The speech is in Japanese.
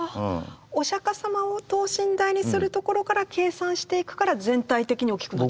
お釈迦様を等身大にするところから計算していくから全体的に大きくなっちゃう？